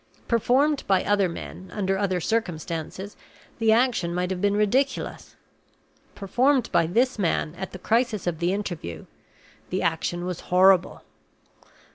Performed by other men, under other circumstances, the action might have been ridiculous. Performed by this man, at the crisis of the interview, the action was horrible.